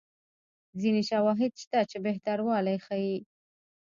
ځیني شواهد شته چې بهتروالی ښيي.